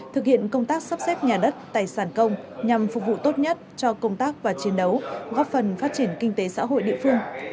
thực hiện công tác sắp xếp nhà đất tài sản công nhằm phục vụ tốt nhất cho công tác và chiến đấu góp phần phát triển kinh tế xã hội địa phương